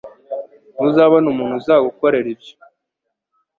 Ntuzabona umuntu uzagukorera ibyo